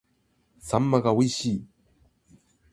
秋刀魚が美味しい